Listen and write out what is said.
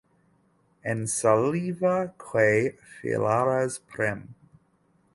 Ensaliva, que filaràs prim.